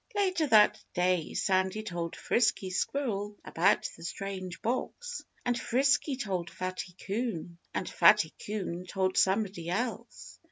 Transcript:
Later that day Sandy told Frisky Squirrel about the strange box. And Frisky told Fatty Coon. And Fatty Coon told somebody else.